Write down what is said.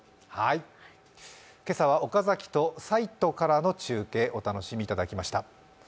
今朝は岡崎と西都からの中継お楽しみいただきました。